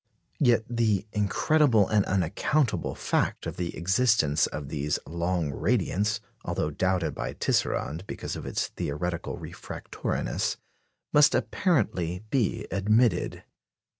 Yet the "incredible and unaccountable" fact of the existence of these "long radiants," although doubted by Tisserand because of its theoretical refractoriness, must apparently be admitted.